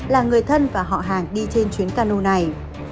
là người thân và họ hàng đi trên chuyến cano này